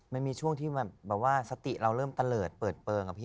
มันมีช่วงที่แบบว่าสติเราเริ่มตะเลิศเปิดเปลืองอะพี่